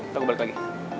ntar gue balik lagi